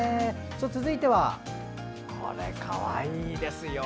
続いては、かわいいですよ！